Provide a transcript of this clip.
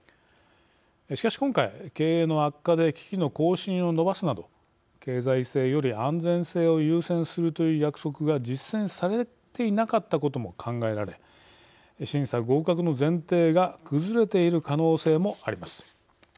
しかし今回経営の悪化で機器の更新をのばすなど経済性より安全性を優先するという約束が実践されていなかったことも考えられ審査合格の前提が崩れている可能性もあります。